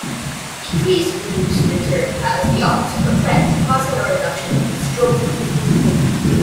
Decreased venous return has the opposite effect, causing a reduction in stroke volume.